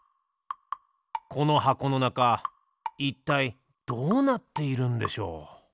この箱のなかいったいどうなっているんでしょう？